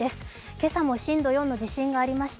今朝も震度４の地震がありました。